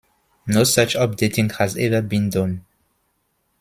No such updating has ever been done.